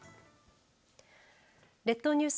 列島ニュース